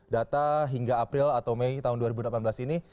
data hingga april atau mei tahun dua ribu delapan belas ini